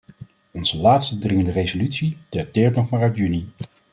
Onze laatste dringende resolutie dateert nog maar uit juni.